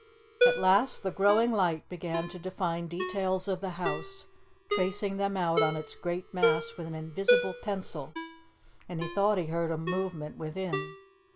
At last the growing light began to define details of the house, tracing them out on its great mass with an invisible pencil, and he thought he heard a movement within.